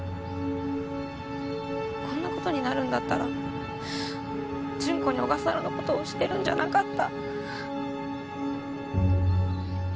こんなことになるんだったら順子に小笠原のこと教えるんじゃなかった。